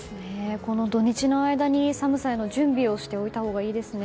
この土日の間に寒さへの準備をしておいたほうがいいですね。